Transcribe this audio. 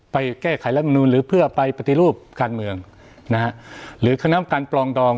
ไปแก้ไขรัฐมนูญหรือเพื่อไปปฏิรูป